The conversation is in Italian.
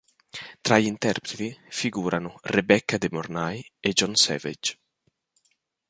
Tra gli interpreti figurano Rebecca De Mornay e John Savage.